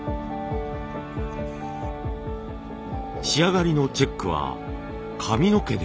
仕上がりのチェックは髪の毛で。